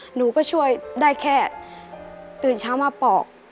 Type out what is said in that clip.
หนูก็ช่วยได้แค่ตื่นเช้ามาปอก